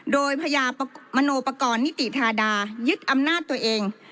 โดยพญามโนปกรณ์นิติธาดายึดอำนาจตัวเอง